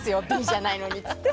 Ｂじゃないのにって。